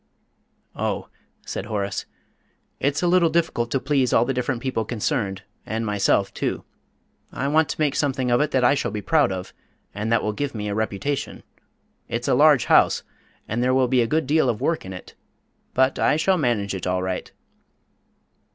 "Oh," said Horace, "it's a little difficult to please all the different people concerned, and myself too. I want to make something of it that I shall be proud of, and that will give me a reputation. It's a large house, and there will be a good deal of work in it; but I shall manage it all right."